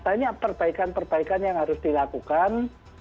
banyak perbaikan perbaikan yang harus dilakukan